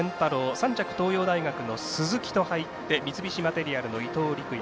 ３着、東洋大学の鈴木と入って三菱マテリアルの伊東利来也。